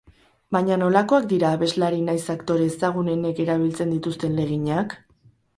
Baina nolakoak dira abeslari nahiz aktore ezagunenek erabiltzen dituzten legginak?